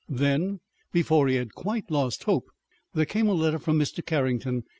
Then, before he had quite lost hope, there came a letter from Mr. Carrington.